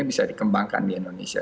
bisa dikembangkan di indonesia